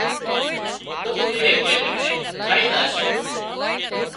تو اُو ايڪ ايڪ نين کائي زاشي